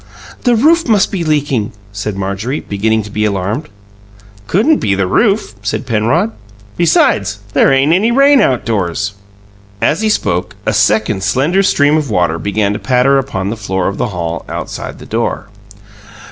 "The roof must be leaking," said Marjorie, beginning to be alarmed. "Couldn't be the roof," said Penrod. "Besides there ain't any rain outdoors." As he spoke, a second slender stream of water began to patter upon the floor of the hall outside the door.